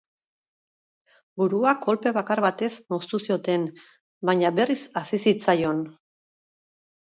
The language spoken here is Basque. Burua kolpe bakar batez moztu zioten baina berriz hazi zitzaion.